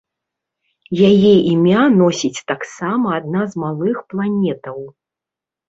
Яе імя носіць таксама адна з малых планетаў.